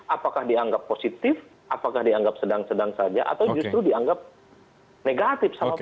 apakah dianggap positif apakah dianggap sedang sedang saja atau justru dianggap negatif sama publik